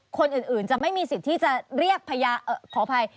คนอื่นจะไม่มีสิทธิ์ที่จะเรียกขออภัย